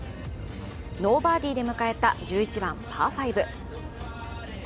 ノーバーディーで迎えた１８番、パー５。